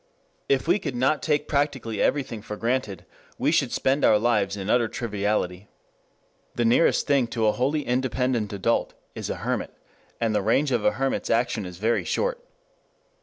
If we could not take practically everything for granted, we should spend our lives in utter triviality. The nearest thing to a wholly independent adult is a hermit, and the range of a hermit's action is very short.